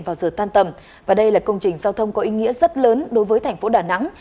vào giờ tan tầm và đây là công trình giao thông có ý nghĩa rất lớn đối với thành phố đà nẵng